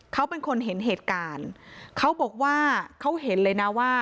เขาเป็นคนเห็นเหตุการณ์เขาบอกว่าเขาเห็นเลยนะว่า